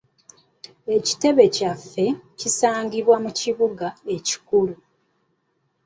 Ekitebe kyaffe kisangibwa mu kibuga ekikulu.